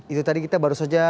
itu tadi kita baru saja